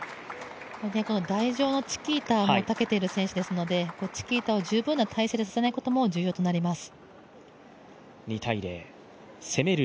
台上のチキータにもたけている選手ですのでチキータを十分な体勢で打たせないことも重要になります。